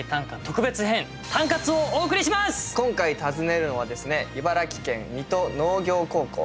今回訪ねるのはですね茨城県水戸農業高校。